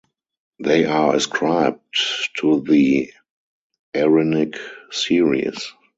They are ascribed to the Arenig Series.